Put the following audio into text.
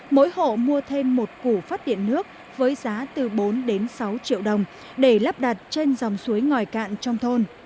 mỗi hộ mua thêm một củ phát điện nước với giá từ bốn đến sáu triệu đồng để lắp đặt trên dòng suối ngòi cạn trong thôn